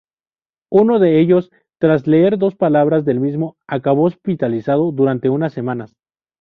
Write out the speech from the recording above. Uno de ellos, tras leer dos palabras del mismo, acabó hospitalizado durante unas semanas.